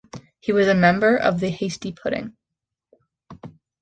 He was a member of the Hasty Pudding.